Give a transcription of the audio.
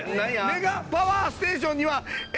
メガパワーステーションには。